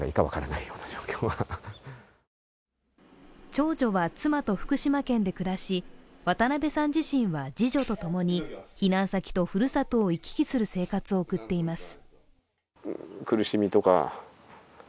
長女は妻と福島県で暮らし、渡部さん自身は次女と共に避難先とふるさとを行き来する生活を送っています。